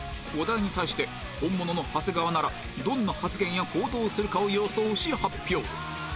お題に対して本物の長谷川ならどんな発言や行動をするかを予想し発表